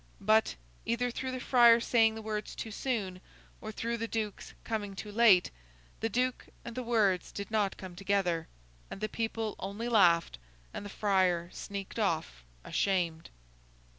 But, either through the friar saying the words too soon, or through the Duke's coming too late, the Duke and the words did not come together, and the people only laughed, and the friar sneaked off ashamed.